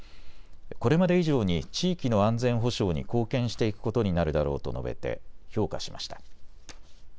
これまで以上に地域の安全保障に貢献していくことになるだろうと述べて評価しました。